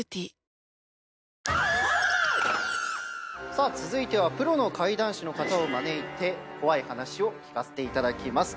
さあ続いてはプロの怪談師の方を招いて怖い話を聞かせていただきます。